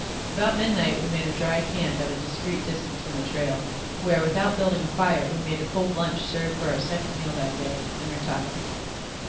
About midnight we made a dry camp at a discreet distance from the trail, where without building a fire we made a cold lunch serve for our second meal that day, and retired.